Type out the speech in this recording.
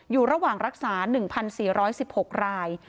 อยู่ระหว่างรักษา๑๔๑๖ราย